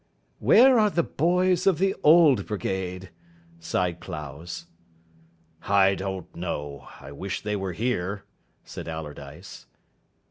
"Where are the boys of the Old Brigade?" sighed Clowes. "I don't know. I wish they were here," said Allardyce.